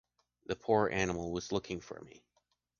The poor animal was looking for me.